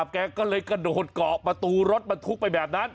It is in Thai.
แกก็เลยกระโดดเกาะประตูรถบรรทุกไปแบบนั้น